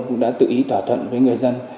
cũng đã tự ý thỏa thuận với người dân